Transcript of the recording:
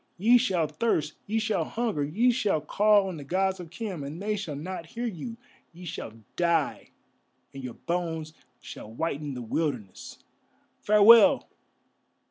Ye shall thirst, ye shall hunger, ye shall call on the Gods of Khem, and they shall not hear you; ye shall die, and your bones shall whiten the wilderness. Farewell!